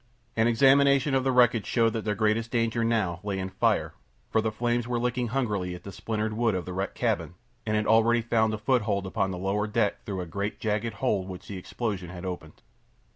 An examination of the wreckage showed that their greatest danger, now, lay in fire, for the flames were licking hungrily at the splintered wood of the wrecked cabin, and had already found a foothold upon the lower deck through a great jagged hole which the explosion had opened.